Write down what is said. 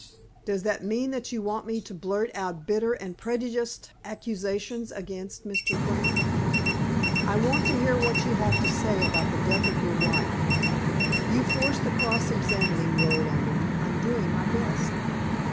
"Does that mean that you want me to blurt out bitter and prejudiced accusations against Mr. Grant?" "I want to hear what you have to say about the death of your wife. You forced the cross examining role on me. I'm doing my best."